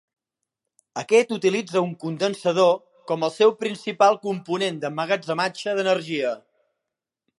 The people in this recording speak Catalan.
Aquest utilitza un condensador com el seu principal component d'emmagatzematge d'energia.